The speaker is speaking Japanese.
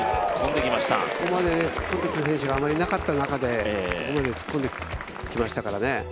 ここまで突っ込んできた選手はあまりいなかった中でここまで突っ込んできましたからね。